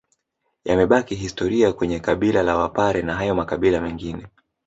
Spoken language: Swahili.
Yamebaki historia kwenye kabila la wapare na hayo makabila mengine